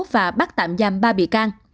và bắt tạm giam ba bị can